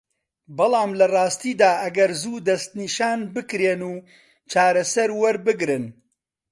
بەڵام لە راستیدا ئەگەر زوو دەستنیشان بکرێن و چارەسەر وەربگرن